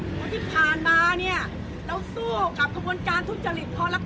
เพราะที่ผ่านมาเนี่ยเราสู้กับกระบวนการทุจริต